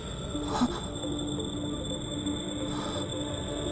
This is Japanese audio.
あっ！